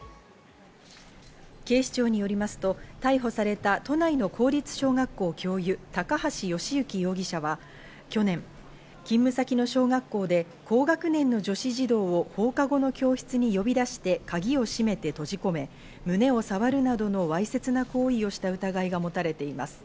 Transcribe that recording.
警視庁によりますと、逮捕された都内の公立小学校教諭、高橋慶行容疑者は去年、勤務先の小学校で高学年の女子児童を放課後の教室に呼び出して鍵を閉めて閉じ込め、胸を触るなどのわいせつな行為をした疑いがもたれています。